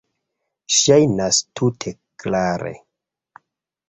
Ŝajnas tute klare.